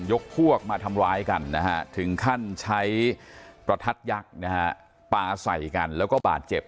ยกพวกมาทำร้ายกันนะฮะถึงขั้นใช้ประทัดยักษ์นะฮะปลาใส่กันแล้วก็บาดเจ็บ